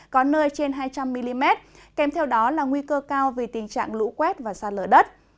có nơi trên hai trăm linh mm kèm theo đó là nguy cơ cao vì tình trạng lũ quét và xa lở đất